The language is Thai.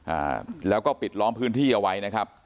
อ่าแล้วก็ปิดล้อมพื้นที่เอาไว้นะครับ